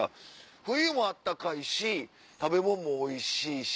冬も暖かいし食べ物もおいしい。